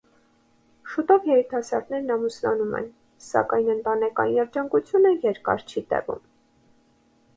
Շուտով երիտասարդներն ամուսնանում են, սակայն ընտանեկան երջանկությունը երկար չի տևում։